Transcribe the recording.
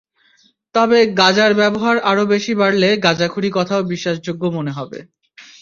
তবে গাঁজার ব্যবহার আরও বেশি বাড়লে গাঁজাখুরি কথাও বিশ্বাসযোগ্য মনে হবে।